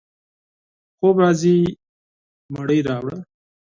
خوب راځي ، ډوډۍ راوړه